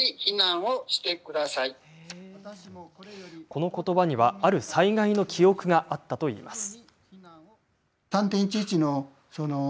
このことばにはある災害の記憶があったといいます。